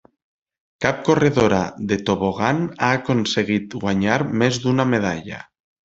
Cap corredora de tobogan ha aconseguit guanyar més d'una medalla.